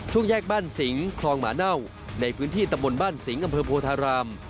แยกบ้านสิงคลองหมาเน่าในพื้นที่ตำบลบ้านสิงห์อำเภอโพธาราม